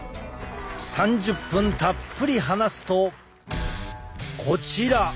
３０分たっぷり話すとこちら！